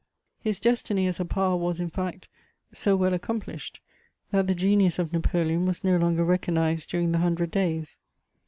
His destiny as a power was, in fact, so well accomplished that the genius of Napoleon was no longer recognised during the Hundred Days.